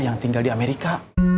yang tinggal di amerika